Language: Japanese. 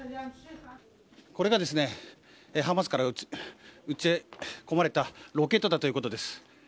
これがハマスから撃ち込まれたロケットだということです。